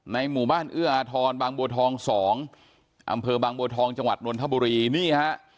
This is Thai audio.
หมู่บ้านเอื้ออาทรบางบัวทอง๒อำเภอบางบัวทองจังหวัดนนทบุรีนี่ฮะ